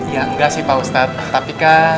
ya enggak sih pak ustadz tapi kan